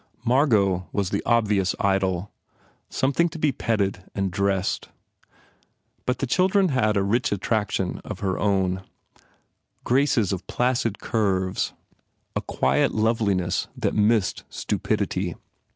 Mar got was the obvious idol, something to be petted and dressed. But the child had a rich attraction of her own, graces of placid curves, a quiet loveli ness that missed stupidity.